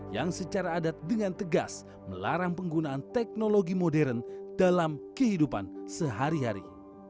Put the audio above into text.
yang secara adat dengan tegas melarang penggunaan teknologi modern dalam kehidupan sehari hari